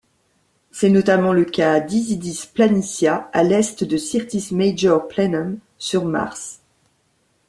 C'est notamment le cas d'Isidis Planitia, à l'est de Syrtis Major Planum, sur Mars.